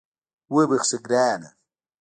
وبخښه ګرانه